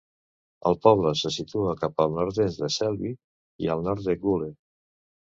El poble se situa cap al nord-est de Selby i al nord de Goole.